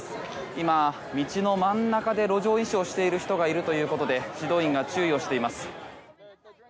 今、道の真ん中で路上飲酒をしている人がいるということで指導員が注意をしています。